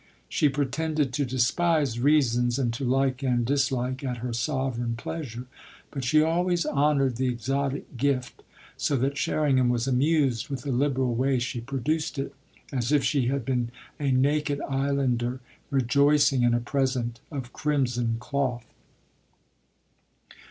She pretended to despise reasons and to like and dislike at her sovereign pleasure; but she always honoured the exotic gift, so that Sherringham was amused with the liberal way she produced it, as if she had been a naked islander rejoicing in a present of crimson cloth.